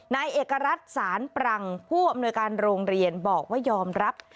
นายเอกรัฐศาลปรังผู้อำนวยการโรงเรียนบอกว่ายอมรับ